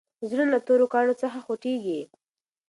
زړونه له تورو کاڼو څخه خوټېږي.